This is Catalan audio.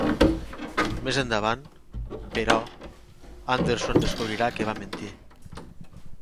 Més endavant, però, Anderson descobrirà que va mentir.